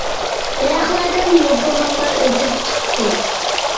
دەرەخلەردىن يوپۇرماقلار ئۆسۈپ چىقتى.